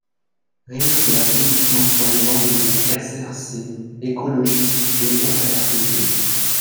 (Rires et applaudissements sur les bancs des groupes SRC, écologiste et RRDP.